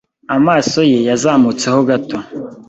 Amaso ye yazamutseho gato